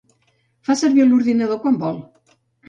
Fa servir l'ordinador quan vol.